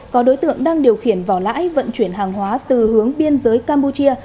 có đối tượng đang điều khiển vỏ lãi vận chuyển hàng hóa từ hướng biên giới campuchia